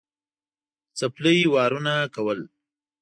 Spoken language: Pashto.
څپلۍ وارونه کول.